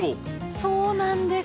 そうなんです。